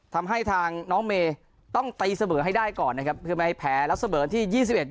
ทำให้ทางน้องเมย์ต้องตีเสมอให้ได้ก่อนนะครับเพื่อไม่ให้แพ้แล้วเสมอที่๒๑๒